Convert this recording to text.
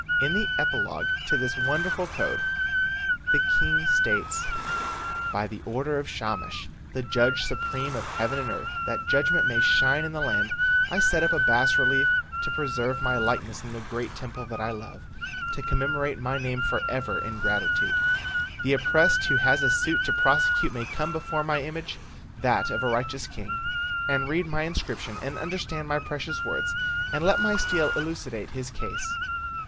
In the epilogue to this wonderful code the king states: "By the order of Shamash, the judge supreme of heaven and earth, that judgment may shine in the land, I set up a bas relief to preserve my likeness in the great temple that I love, to commemorate my name forever in gratitude. The oppressed who has a suit to prosecute may come before my image, that of a righteous king, and read my inscription and understand my precious words and let my stele elucidate his case.